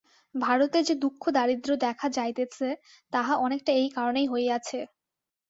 ভারতে যে দুঃখদারিদ্র্য দেখা যাইতেছে, তাহা অনেকটা এই কারণেই হইয়াছে।